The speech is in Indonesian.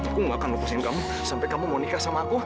aku gak akan lepasin kamu sampai kamu mau nikah sama aku